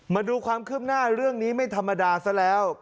มาดูความคืบหน้าเรื่องนี้ไม่ธรรมดาซะแล้ว